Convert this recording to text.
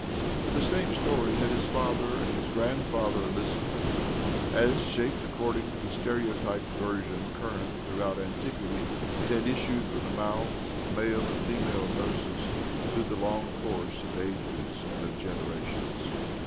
To the same story had his father and his grandfather listened as^ shaped according to the stereotyped version current throughout antiquity, it had issued from the mouths of male and female nurses through the long course of ages and of generations.